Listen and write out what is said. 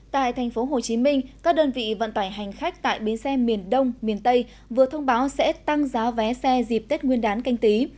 tại tp hcm các đơn vị vận tải hành khách tại bến xe miền đông miền tây vừa thông báo sẽ tăng giá vé xe dịp tết nguyên đán canh tí